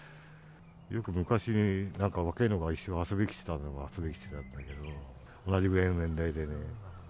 よく昔、なんか若いのが、遊びに来てたのは遊びに来てたけど、同じぐらいの年代でね。